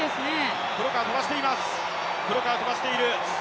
黒川、飛ばしています。